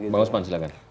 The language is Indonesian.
bang osman silahkan